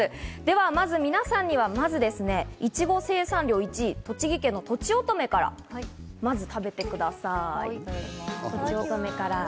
まず皆さんには、いちご生産量１位、栃木県の、とちおとめから食べてください。